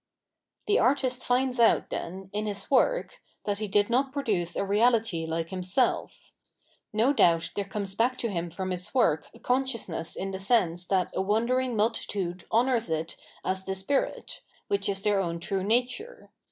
The artist finds out, then, in Ms work, that he did not produce a reahty hke Mmself. No doubt there comes back to bim from Ms work a consciousness in the sense that a wondering multitude honours it as the spirit, wMch is their own true nature.